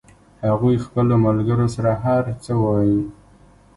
هغوی خپلو ملګرو سره هر څه وایي